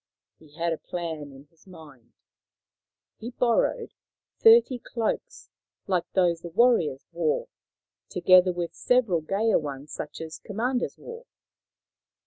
He had a plan in his mind. He borrowed thirty cloaks like those the warriors wore, together with several gayer ones such as commanders wore.